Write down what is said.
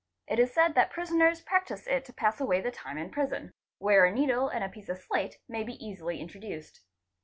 It is said that prisoners practise 1t to pass away the time in prison where a needle and piece of slate may easily be introduced.